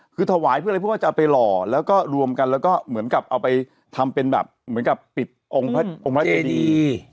คือถวายเพื่ออะไรเพราะว่าจะเอาไปหล่อแล้วก็รวมกันแล้วก็เหมือนกับเอาไปทำเป็นแบบเหมือนกับปิดองค์พระองค์พระเจดี